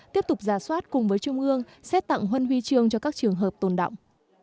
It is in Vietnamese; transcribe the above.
tiếp tục giả soát cùng với trung ương xét tặng huân huy chương cho các trường hợp tồn động